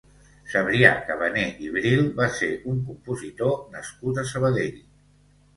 Cebrià Cabané i Bril va ser un compositor nascut a Sabadell.